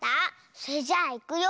それじゃあいくよ。